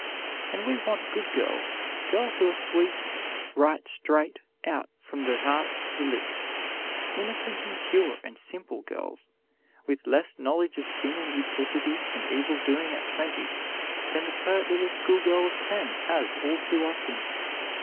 And we want good girls, girls who are sweet, right straight out from the heart to the lips; innocent and pure and simple girls, with less knowledge of sin and duplicity and evil doing at twenty than the pert little schoolgirl of ten has all too often.